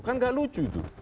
kan nggak lucu itu